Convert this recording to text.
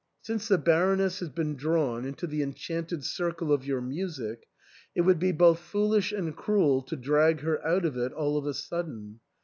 Since the Baroness has been drawn into the en chanted circle of your music, it would be both foolish and cruel to drag her out of it all of a sudden.